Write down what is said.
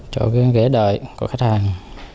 chỗ ghế đợi của khách hàng